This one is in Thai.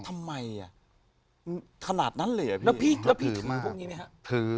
ทำไมอ่ะขนาดนั้นเลยอ่ะพี่แล้วพี่ถือมือพวกนี้ไหมฮะถือ